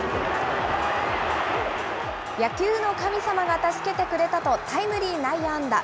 野球の神様が助けてくれたと、タイムリー内野安打。